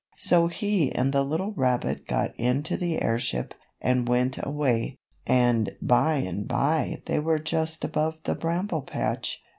So he and the little rabbit got into the airship and went away, and by and by they were just above the Bramble Patch.